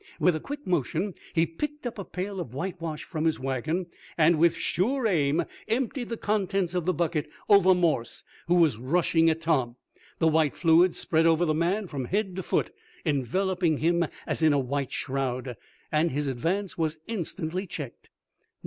With a quick motion he picked up a pail of white wash from his wagon, and, with sure aim, emptied the contents of the bucket over Morse, who was rushing at Tom. The white fluid spread over the man from head to foot, enveloping him as in a white shroud, and his advance was instantly checked.